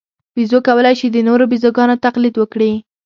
بیزو کولای شي د نورو بیزوګانو تقلید وکړي.